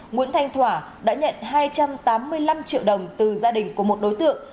nguyễn thanh thỏa đã nhận hai trăm tám mươi năm triệu đồng từ gia đình của một đối tượng